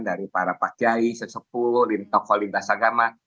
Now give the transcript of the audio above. dari para pak yai sesepuluh dari toko lintas agama